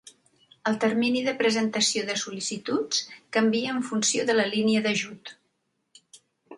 El termini de presentació de sol·licituds canvia en funció de la línia d'ajut.